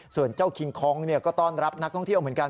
ส่วนเจ้าคิงคองก็ต้อนรับนักท่องเที่ยวเหมือนกัน